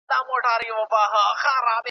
خدای ئې کوي، خو شولي بې اوبو نه کېږي.